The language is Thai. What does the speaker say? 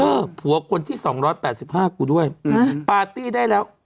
อืมเฮ้อผัวคนที่๒๘๕กูด้วยปาร์ตี้ได้แล้ว